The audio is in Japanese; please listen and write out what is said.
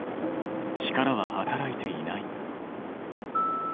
力は働いていない。